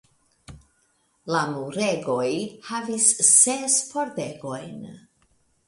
La muregoj havis ses pordegojn.